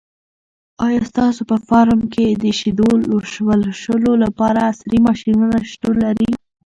آیا ستاسو په فارم کې د شیدو لوشلو لپاره عصري ماشینونه شتون لري؟